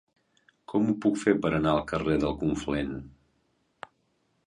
Com ho puc fer per anar al carrer del Conflent?